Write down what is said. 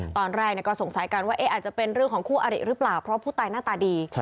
ตอนแรกก็สงสัยกันว่าอาจจะเป็นเรื่องของคู่อริหรือเปล่าเพราะผู้ตายหน้าตาดี